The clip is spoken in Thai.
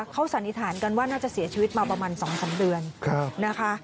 เขาสันนิษฐานกันว่าน่าจะเสียชีวิตมาประมาณ๒๓เดือนนะคะ